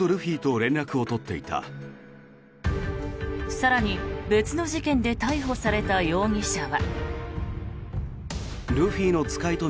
更に別の事件で逮捕された容疑者は。